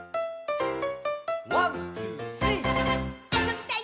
「ワンツースリー」「あそびたい！